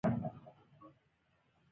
د تبې د دوام لپاره د وینې معاینه وکړئ